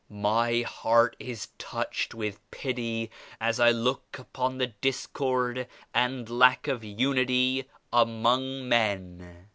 My heart is touched with pity as I look upon the discord and lack of unity among men.